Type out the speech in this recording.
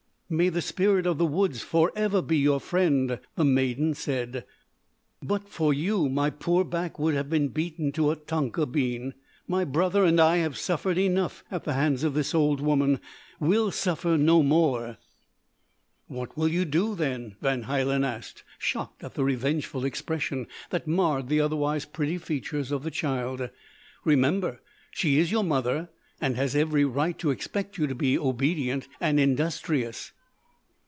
"May the spirit of the woods for ever be your friend!" the maiden said. "But for you my poor back would have been beaten to a tonka bean. My brother and I have suffered enough at the hands of the old woman we'll suffer no more." "What will you do then?" Van Hielen asked, shocked at the revengeful expression that marred the otherwise pretty features of the child. "Remember, she is your mother, and has every right to expect you to be obedient and industrious."